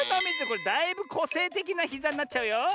これだいぶこせいてきなひざになっちゃうよ。